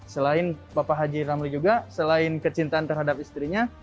selain bapak haji ramli juga selain kecintaan terhadap istrinya